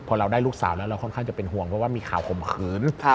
พอเราได้ลูกสาวแล้วเราค่อนข้างจะเป็นห่วงเพราะว่ามีข่าวข่มขืน